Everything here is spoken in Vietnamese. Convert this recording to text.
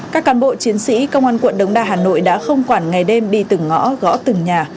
các cán bộ chiến sĩ công an quận đống đa hà nội đã không quản ngày đêm đi từng ngõ gõ từng nhà